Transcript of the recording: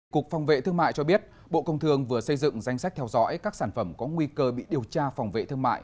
cục phòng vệ thương mại cho biết bộ công thương vừa xây dựng danh sách theo dõi các sản phẩm có nguy cơ bị điều tra phòng vệ thương mại